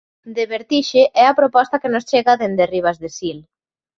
De vertixe é a proposta que nos chega desde Ribas de Sil.